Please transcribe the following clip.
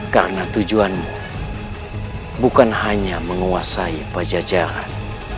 karena tujuanmu bukan hanya menguasai pajajaran